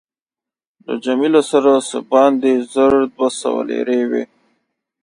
له جميله سره څه باندې زر دوه سوه لیرې وې.